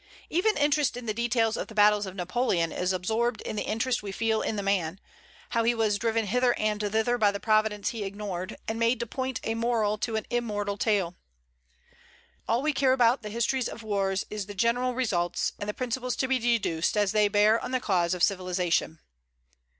Even interest in the details of the battles of Napoleon is absorbed in the interest we feel in the man, how he was driven hither and thither by the Providence he ignored, and made to point a moral to an immortal tale. All we care about the histories of wars is the general results, and the principles to be deduced as they bear on the cause of civilization.